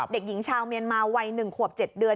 เด็กหญิงชาวเมียนมาวัย๑ขวบ๗เดือน